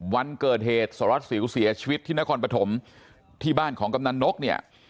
วันเกิดเหตุสรวจสิวเสียชีวิตที่นครปฐมที่บ้านของกำนันนกเนี่ย